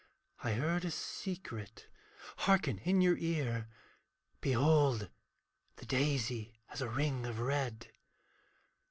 I heard a secret hearken in your ear, 'Behold the daisy has a ring of red.'